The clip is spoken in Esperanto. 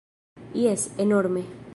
Jes, enorme!